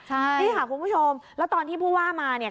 ใช่นี่ค่ะคุณผู้ชมแล้วตอนที่ผู้ว่ามาเนี่ย